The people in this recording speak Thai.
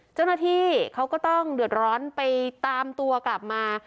เจ้าหน้าที่เขาก็ต้องเดือดร้อนไปตามตัวกลับมา